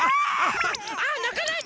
ああなかないで。